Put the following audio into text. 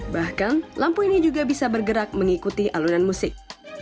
bahkan lampu ini juga bisa bergerak mengikuti alunan musik